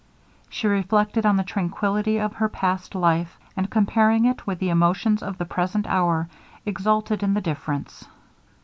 She reflected on the tranquillity of her past life, and comparing it with the emotions of the present hour, exulted in the difference.